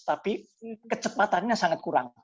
tapi kecepatannya sangat kurang